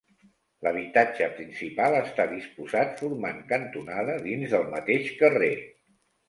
L'habitatge principal està disposat formant cantonada dins del mateix carrer.